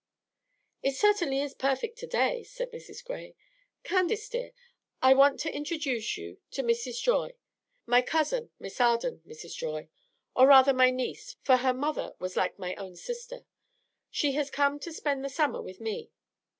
"It certainly is perfect to day," said Mrs. Gray. "Candace dear, I want to introduce you to Mrs. Joy. My cousin, Miss Arden, Mrs. Joy; or rather my niece, for her mother was like my own sister. She has come to spend the summer with me.